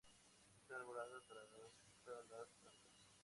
Está enamorada hasta las trancas